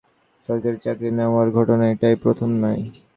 ভুয়া মুক্তিযোদ্ধা সনদ ব্যবহার করে সরকারি চাকরি নেওয়ার ঘটনা এটাই প্রথম নয়।